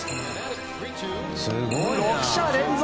６者連続。